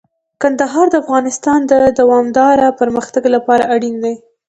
ننګرهار د افغانستان د دوامداره پرمختګ لپاره اړین دي.